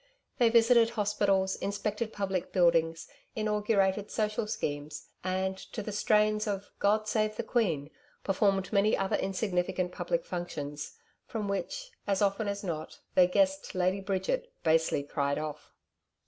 They visited hospitals, inspected public buildings, inaugurated social schemes, and, to the strains of 'God Save the Queen,' performed many other insignificant public functions, from which, as often as not, their guest, Lady Bridget, basely cried off.